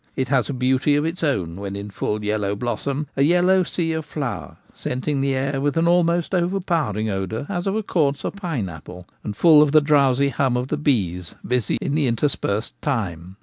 It has a beauty of its own when in full yellow blossom — a yellow sea of flower, scenting the air with an almost overpowering odour as of a coarser pineapple, and full of the drowsy hum of the bees busy in the interspersed thyme.